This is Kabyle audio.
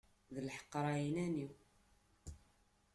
D leḥqer ɛinani.